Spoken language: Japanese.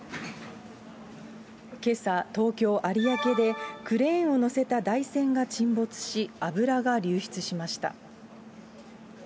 けさ、東京・有明でクレーンを載せた台船が沈没し、油が流出しました。